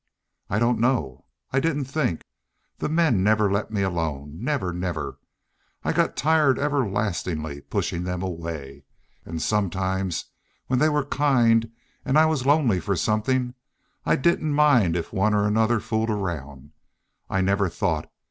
"I I don't know.... I didn't think. The men never let me alone never never! I got tired everlastingly pushin' them away. And sometimes when they were kind and I was lonely for something I I didn't mind if one or another fooled round me. I never thought.